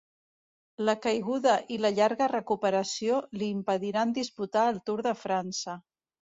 La caiguda i la llarga recuperació li impediran disputar el Tour de França.